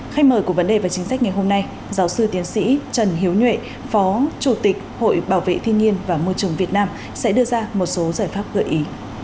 khách mời của vấn đề và chính sách ngày hôm nay giáo sư tiến sĩ trần hiếu nhuệ phó chủ tịch hội bảo vệ thiên nhiên và môi trường việt nam sẽ đưa ra một số giải pháp gợi ý